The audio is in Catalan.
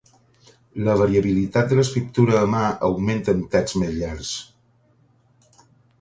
La variabilitat de l'escriptura a mà augmenta amb texts més llargs.